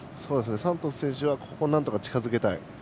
サントス選手はここはなんとか近づけたい。